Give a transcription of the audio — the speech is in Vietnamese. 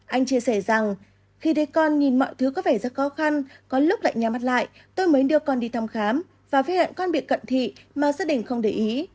anh chia sẻ rằng khi thấy con nhìn mọi thứ có vẻ rất khó khăn có lúc lại nhà mặt lại tôi mới đưa con đi thăm khám và với hẹn con bị cận thị mà gia đình không để ý